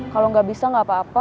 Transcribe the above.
kalau gak bisa gak apa apa